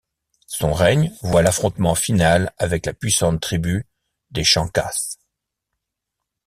Son règne voit l'affrontement final avec la puissante tribu des Chancas.